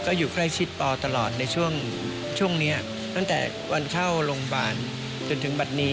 ก็อยู่ใกล้ชิดปอตลอดในช่วงช่วงนี้ตั้งแต่วันเข้าโรงพยาบาลจนถึงบัตรนี้